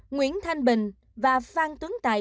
nguyễn thanh bình và phan tuấn tài